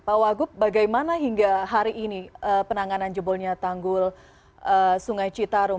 pak wagub bagaimana hingga hari ini penanganan jebolnya tanggul sungai citarum